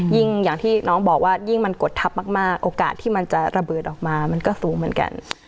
อย่างที่น้องบอกว่ายิ่งมันกดทับมากโอกาสที่มันจะระเบิดออกมามันก็สูงเหมือนกัน